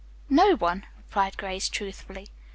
"No one," replied Grace truthfully.